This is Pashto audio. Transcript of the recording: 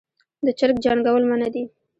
د چرګ جنګول منع دي